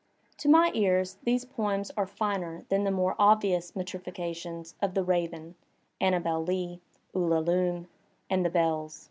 To my ear these poems are finer than the more obvious metrifications of "The Raven," " Annabel Lee," "Ulalume," and "The BeUs."